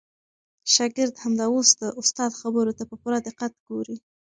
شاګرد همدا اوس د استاد خبرو ته په پوره دقت ګوري.